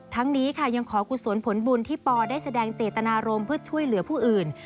ทั้งนี้ค่ะยังขอกุศลผลบุญที่ปได้แสดงเจตนารมณ์เพื่อช่วยเหลือผู้อื่น